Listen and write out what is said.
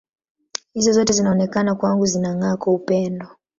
Hizo zote zinaonekana kwangu zinang’aa kwa upendo.